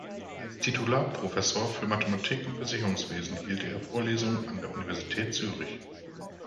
Als Titularprofessor für Mathematik und Versicherungswesen hielt er Vorlesungen an der Universität Zürich.